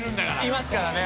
いますからね。